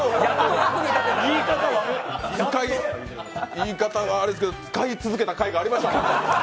言い方はあれですけど使い続けたかいがありました。